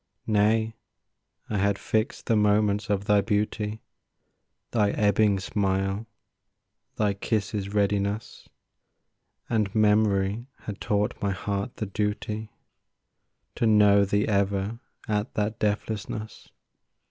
Nay, I had fixed the moments of thy beauty— Thy ebbing smile, thy kiss's readiness, And memory had taught my heart the duty To know thee ever at that deathlessness.